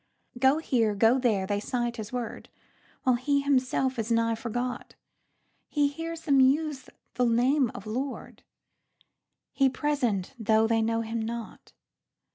Go here, go there, they cite his word, While he himself is nigh forgot. He hears them use the name of Lord, He present though they know him not.